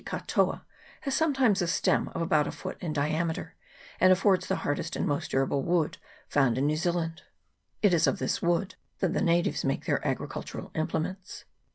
katoa has sometimes a stem of about a foot in I diameter, and affords the hardest and most durable wood found in New Zealand : it is of this wood that the natives make their agricultural implements.